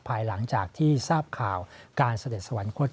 ภายหลังจากที่ทราบข่าวการเสด็จสวรรคต